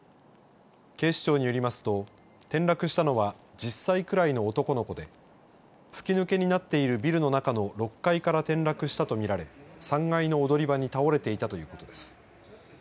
警視庁によりますと転落したのは１０歳くらいの男の子で吹き抜けになっているビルの中の６階から転落したとみられ３階の踊り場に倒れていたということです。